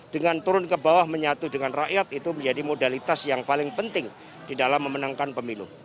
dengan turun ke bawah menyatu dengan rakyat itu menjadi modalitas yang paling penting di dalam memenangkan pemilu